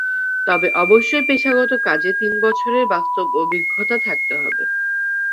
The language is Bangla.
তবে অবশ্যই পেশাগত কাজে তিন বছরের বাস্তব অভিজ্ঞতা থাকতে হবে।